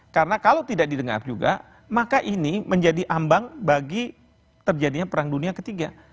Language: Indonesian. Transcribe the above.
karena kalau tidak didengar juga maka ini menjadi ambang bagi terjadinya perang dunia ketiga